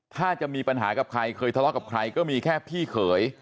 ถ้าจะมีปัญหากับใครเคยทะเลาะกับใครก็มีแค่พี่เขย